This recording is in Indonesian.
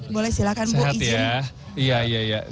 boleh silahkan bu izin